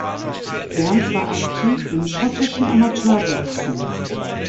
Berns war aktiv im schottischen Amateurboxen.